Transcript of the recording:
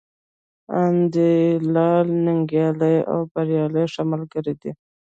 انديال، ننگيال او بريال ښه ملگري دي.